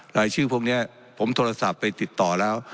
รายชื่อพวกนี้ผมโทรศัพท์ไปติดต่อแล้ว